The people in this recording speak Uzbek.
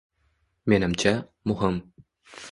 Menimcha, muhim.